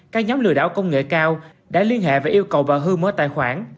các nhóm lừa đảo công nghệ cao đã liên hệ và yêu cầu bà hương mở tài khoản